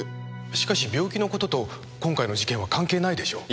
しかし病気のことと今回の事件は関係ないでしょう？